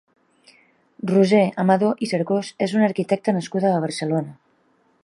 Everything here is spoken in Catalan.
Roser Amadó i Cercós és una arquitecta nascuda a Barcelona.